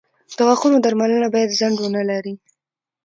• د غاښونو درملنه باید ځنډ ونه لري.